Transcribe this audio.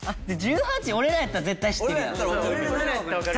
１８俺らやったら絶対知ってるやん。